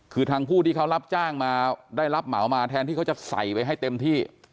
คือทางผู้ที่เขารับจ้างมาได้รับเหมามาแทนที่เขาจะใส่ไปให้เต็มที่